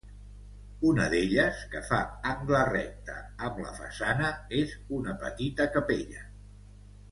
Una d'elles, que fa angle recte amb la façana, és una petita capella.